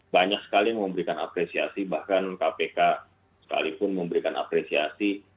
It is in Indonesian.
dia sekali memberikan apresiasi bahkan kpk sekalipun memberikan apresiasi